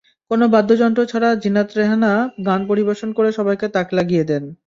কোনো বাদ্যযন্ত্র ছাড়া জিনাত রেহানা গান পরিবেশন করে সবাইকে তাক লাগিয়ে দেন।